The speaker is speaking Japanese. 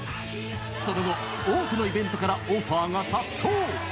その後、多くのイベントからオファーが殺到。